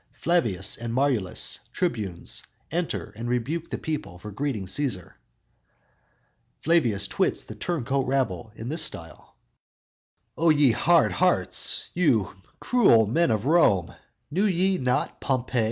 Flavius and Marullus, tribunes, enter and rebuke the people for greeting Cæsar. Flavius twits the turncoat rabble in this style: _"O you hard hearts, you cruel men of Rome, Knew ye not Pompey?